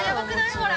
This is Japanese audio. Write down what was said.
ほら！